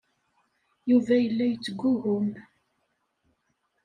Yuba yella yettgugum.